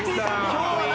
今日は何？